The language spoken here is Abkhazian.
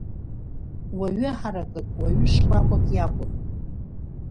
Уаҩы ҳаракык, уаҩы шкәакәак иакәын.